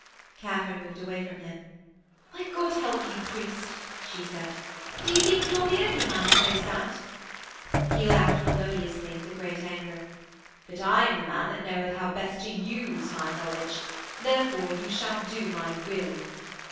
Katharine moved away from him. 'Why, God help you, priest,' she said. 'Do you think you are the only man that knows that?' He laughed melodiously, with a great anger. 'But I am the man that knoweth best how to use my knowledge. Therefore you shall do my will.'